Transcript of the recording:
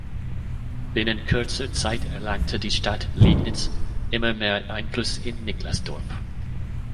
Binnen kurzer Zeit erlangte die Stadt Liegnitz immer mehr Einfluss in Niklasdorf.